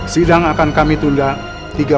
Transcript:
sidang akan kami tunda tiga puluh menit